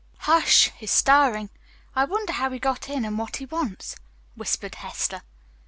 "Hush, he's stirring. I wonder how he got in, and what he wants," whispered Hester.